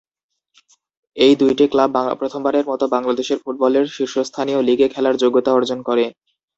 এই দুইটি ক্লাব প্রথমবারের মত বাংলাদেশের ফুটবলের শীর্ষস্থানীয় লিগে খেলার যোগ্যতা অর্জন করে।